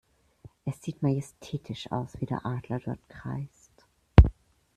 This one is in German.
Es sieht majestätisch aus, wie der Adler dort kreist.